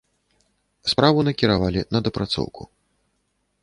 Справу накіравалі на дапрацоўку.